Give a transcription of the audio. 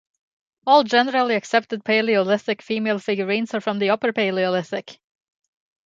All generally accepted Paleolithic female figurines are from the Upper Palaeolithic.